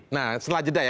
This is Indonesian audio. nah setelah jeda ya